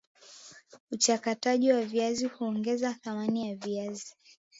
uchakataji wa viazi huongeza thamani ya viazi